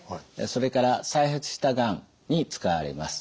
それから再発したがんに使われます。